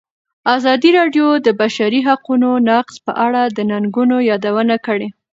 ازادي راډیو د د بشري حقونو نقض په اړه د ننګونو یادونه کړې.